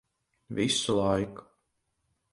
Visu laiku.